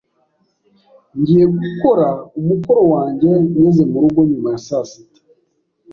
Ngiye gukora umukoro wanjye ngeze murugo nyuma ya saa sita.